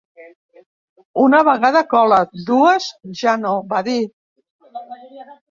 Una vegada cola, dues ja no, va dir.